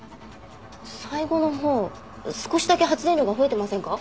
最後のほう少しだけ発電量が増えてませんか？